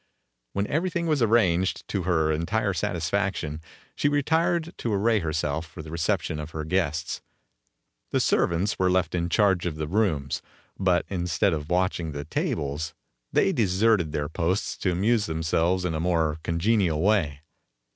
When everything was arranged to her entire satisfaction, she retired to array herself for the reception of her guests. The servants were left in charge of the rooms, but instead of watching the tables, they deserted their posts to amuse themselves in a more congenial way.